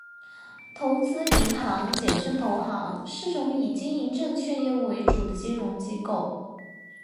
投资银行，简称投行，是种以经营证券业务为主的金融机构